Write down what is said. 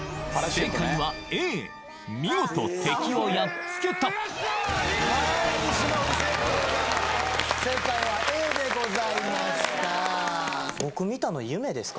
正解はＡ見事敵をやっつけたはい霜降り正解でございます